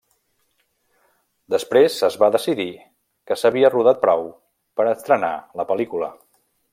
Després es va decidir que s’havia rodat prou per estrenar la pel·lícula.